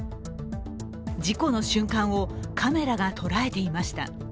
事故の瞬間をカメラが捉えていました。